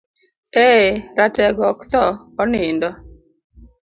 Eee, ratego ok thoo, onindo.